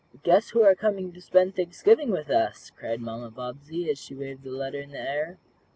"Guess who are coming to spend Thanksgiving with us!" cried Mamma Bobbsey, as she waved the letter in the air.